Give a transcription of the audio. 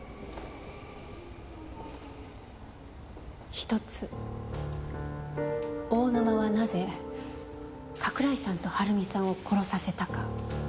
一つ大沼はなぜ加倉井さんとはるみさんを殺させたか。